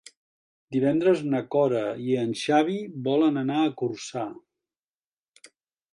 Divendres na Cora i en Xavi volen anar a Corçà.